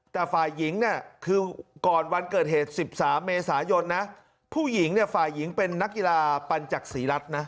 แต่ฝ่ายหญิงเนี่ยคือก่อนวันเกิดเหตุ๑๓เมษายนนะผู้หญิงเนี่ยฝ่ายหญิงเป็นนักกีฬาปัญจักษีรัฐนะ